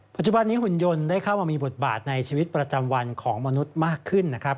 ปัจจุบันนี้หุ่นยนต์ได้เข้ามามีบทบาทในชีวิตประจำวันของมนุษย์มากขึ้นนะครับ